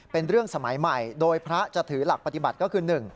เป็นเรื่องสมัยใหม่โดยพระจะถือหลักปฏิบัติก็คือ๑